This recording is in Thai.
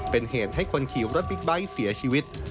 เป็นเหตุให้คนขี่รถบิ๊กไบท์เสียชีวิต